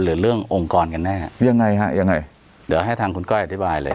หรือเรื่ององค์กรกันแน่ยังไงฮะยังไงเดี๋ยวให้ทางคุณก้อยอธิบายเลย